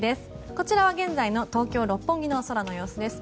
こちらは現在の東京・六本木の空の様子です。